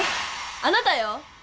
あなたよ！